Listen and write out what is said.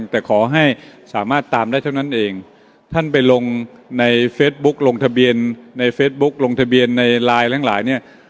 แต่ขอให้สามารถตามได้เท่านั้นเองท่านไปลงในเฟซบุ๊คลงทะเบียนในเฟซบุ๊คลงทะเบียนในไลน์ทั้งหลายเนี่ย